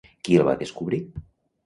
Qui el va descobrir?